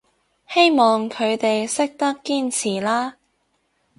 希望佢哋識得堅持啦